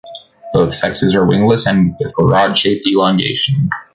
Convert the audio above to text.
Both sexes are wingless and with rod-shaped elongation.